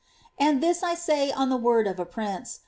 And this I say on the word of a prince.